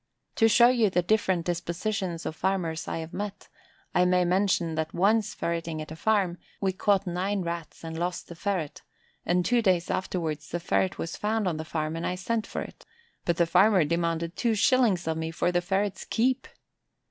To show you the different dispositions of farmers I have met, I may mention that when once ferreting at a farm, we caught nine rats and lost the ferret, and two days afterwards the ferret was found on the farm, and I sent for it, but the farmer demanded two shillings of me for the ferret's keep.